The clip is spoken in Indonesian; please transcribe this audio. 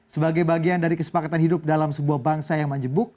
sebagai bagian dari kesepakatan hidup dalam sebuah bangsa yang menjebuk